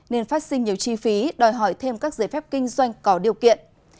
nên phát sinh nhiều chi phí đòi hỏi thêm các giới phép kinh doanh có điều kiện